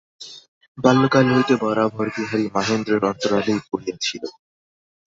বাল্যকাল হইতে বরাবর বিহারী মহেন্দ্রের অন্তরালেই পড়িয়া ছিল।